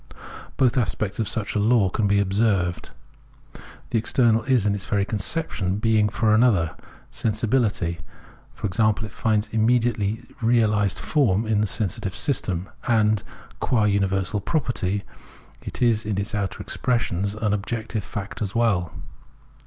Both aspects of such a law can be observed. The external is in its very conception being for another; sensibility, e.g., finds its immediately realised form in the sensitive system; and, qua uni versal property, it is in its outer expressions an objective fact as well.